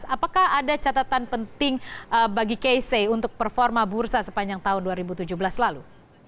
apakah ada catatan penting bagi kc untuk performa bursa sepanjang tahun dua ribu tujuh belas lalu